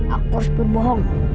aku harus berbohong